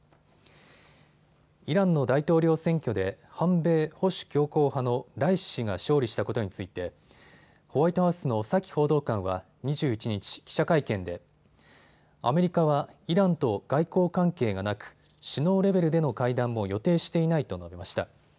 イランの大統領選挙で反米・保守強硬派のライシ師が勝利したことについてホワイトハウスのサキ報道官は２１日、記者会見で、アメリカはイランと外交関係がなく首脳レベルでの会談も予定していないと述べました。